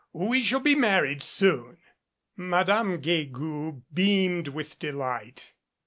"We shall be married soon." Madame Guegou beamed with delight.